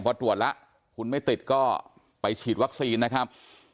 พอตรวจแล้วคุณไม่ติดก็ไปฉีดวัคซีนนะครับ